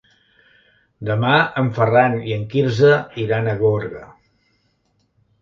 Demà en Ferran i en Quirze iran a Gorga.